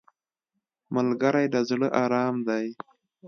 ملګری د زړه ارام دی